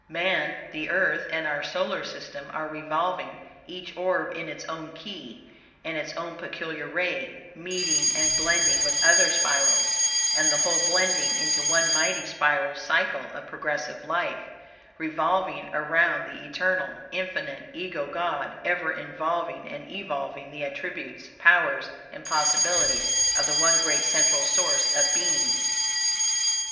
Man, the Earth, and our solar system, are revolving, each orb in its own key, and its own peculiar ray, meeting and blending with other spirals, and the whole blending into one mighty spiral Cycle of Progressive Life, revolving around the Eternal, Infinite Ego God, ever involving and evolving the attributes, powers and possibilities of the One great central source of Being.